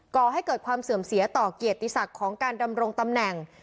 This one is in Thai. ก่อให้เกิดความเสื่อมเสียต่อเกียรติศักดิ์ของการดำรงตำแหน่ง